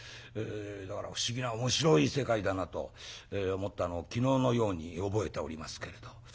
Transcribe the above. だから不思議な面白い世界だなと思ったのを昨日のように覚えておりますけれど。